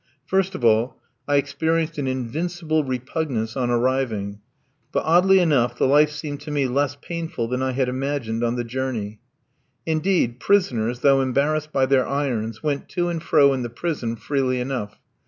First of all, I experienced an invincible repugnance on arriving; but oddly enough the life seemed to me less painful than I had imagined on the journey. Indeed, prisoners, though embarrassed by their irons went to and fro in the prison freely enough.